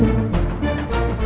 ketika dikirimkan oleh istri